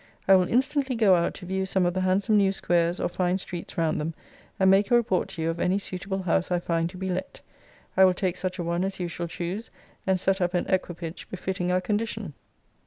I will instantly go out to view some of the handsome new squares or fine streets round them, and make a report to you of any suitable house I find to be let. I will take such a one as you shall choose, and set up an equipage befitting our condition.